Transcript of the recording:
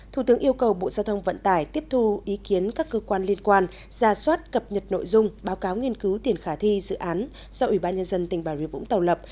thủ tướng yêu cầu bộ giao thông vận tải tiếp thu ý kiến các cơ quan liên quan ra soát cập nhật nội dung báo cáo nghiên cứu tiền khả thi dự án do ủy ban nhân dân tỉnh bà rịa vũng tàu lập